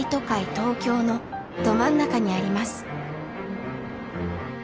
東京のど真ん中にあります。